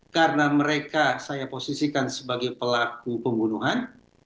karena mereka saya posisikan sebagai pelaku pembunuhan